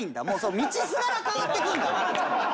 もうその道すがら変わっていくんだ。